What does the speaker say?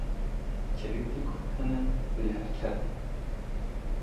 Kerî dû guh hene, lê her kere